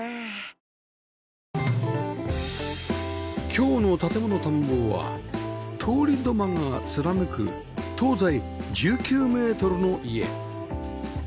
今日の『建もの探訪』は通り土間が貫く東西１９メートルの家